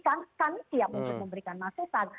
kami siap untuk memberikan masukan